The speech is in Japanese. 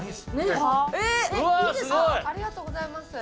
ありがとうございます。